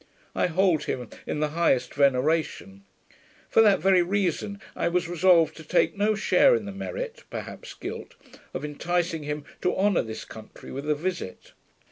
I hold him in the highest veneration: for that very reason I was resolved to take no share in the merit, perhaps guilt, of inticing him to honour this country with a visit.